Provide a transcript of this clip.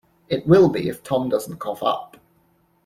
It will be if Tom doesn't cough up.